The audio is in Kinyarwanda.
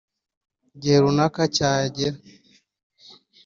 igihe runaka cyagera